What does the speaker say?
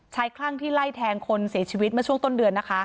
คลั่งที่ไล่แทงคนเสียชีวิตเมื่อช่วงต้นเดือนนะคะ